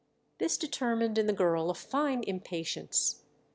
This determined in the girl a fine impatience.